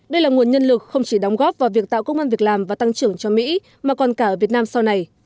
đây là nguồn nhân lực không chỉ đóng góp vào việc tạo công an việc làm và tăng trưởng cho mỹ mà còn cả ở việt nam sau này